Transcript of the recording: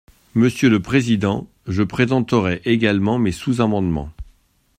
Monsieur le président, je présenterai également mes sous-amendements.